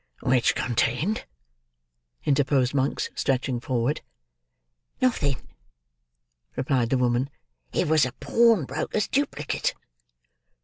"Which contained—" interposed Monks, stretching forward. "Nothing," replied the woman; "it was a pawnbroker's duplicate."